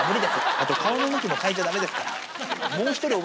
あと顔の向きも変えちゃだめですから。